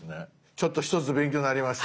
ちょっと一つ勉強になりました。